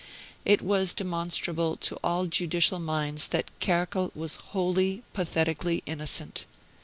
It was demonstrable to all judicial minds that Kerkel was wholly, pathetically innocent.